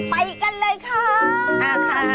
ไปกันเลยค่ะ